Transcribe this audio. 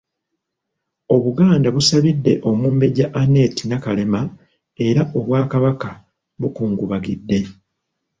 Obuganda busabidde omumbejja Annette Nakalema era Obwakabaka bukungubagidde.